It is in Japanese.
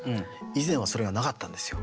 以前はそれがなかったんですよ。